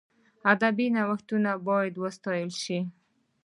ادبي نوښتونه باید وستایل سي.